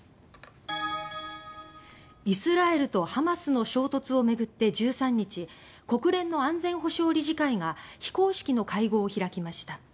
イスラエルとハマスの衝突を巡って１３日国連の安全保障理事会が非公式の会合を開きました。